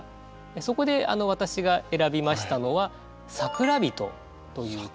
そこで私が選びましたのは「桜人」という季語です。